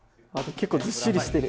結構ずっしりしてる。